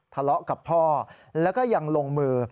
ทะเลาะกับพ่อแล้วก็ยังลงมือ